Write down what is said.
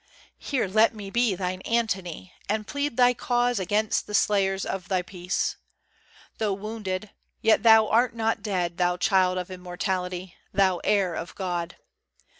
Here let me be thine Antony, and plead Thy cause against the slayers of thy peace. Though wounded, yet thou art not dead, thou child Of Immortality thou heir of God!